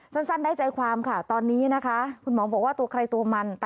สั้นได้ใจความค่ะตอนนี้นะคะคุณหมอบอกว่าตัวใครตัวมัน